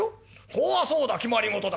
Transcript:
「そらそうだ決まり事だ。